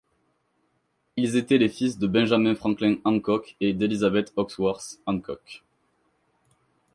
Ils étaient les fils de Benjamin Franklin Hancock et d'Elizabeth Hoxworth Hancock.